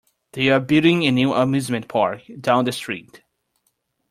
They're building a new amusement park down the street.